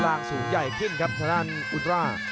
ล่างสูงใหญ่ขึ้นครับทะดานอุลตรา